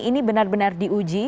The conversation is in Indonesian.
ini benar benar diuji